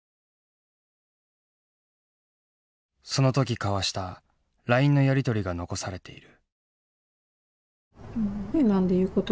その時交わしたラインのやり取りが残されている。